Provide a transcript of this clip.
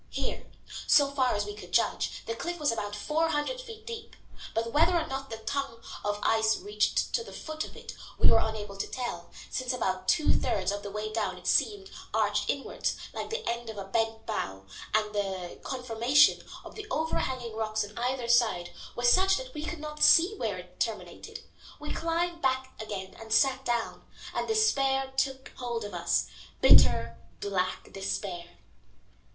Here, so far as we could judge, the cliff was about four hundred feet deep. But whether or no the tongue of ice reached to the foot of it we were unable to tell, since about two thirds of the way down it arched inwards, like the end of a bent bow, and the conformation of the overhanging rocks on either side was such that we could not see where it terminated. We climbed back again and sat down, and despair took hold of us, bitter, black despair.